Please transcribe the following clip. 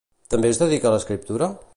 També es dedica a l'escriptura?